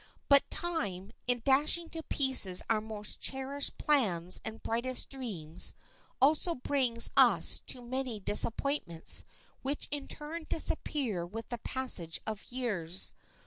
But time, in dashing to pieces our most cherished plans and brightest dreams, also brings us to many disappointments which in turn disappear with the passage of years.